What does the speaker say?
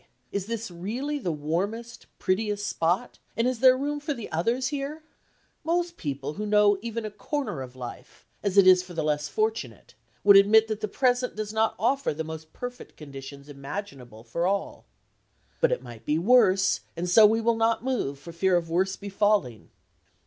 Is this really the warmest, prettiest spot, and is there room for the others here?" Most people who know even a corner of life, as it is for the less fortunate, would admit that the present does not offer the most perfect conditions imaginable for all. "But it might be worse, and so we will not move, for fear of worse befalling.